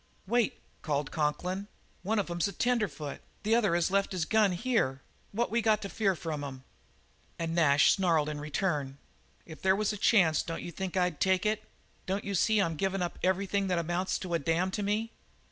"Wait!" called Conklin. "One of 'em's a tenderfoot. The other has left his gun here. What we got to fear from 'em?" And Nash snarled in return: "If there was a chance, don't you think I'd take it? Don't you see I'm givin' up everythin' that amounts to a damn with me?